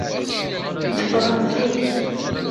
Tteffɣen zik.